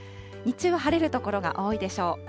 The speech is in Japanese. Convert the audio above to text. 日中は晴れる所が多いでしょう。